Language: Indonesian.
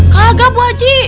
kagak bu aji